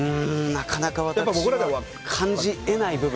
なかなか感じ得ない部分。